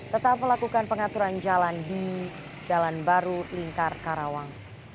tetap melakukan pengaturan jalan di jalan baru lingkaran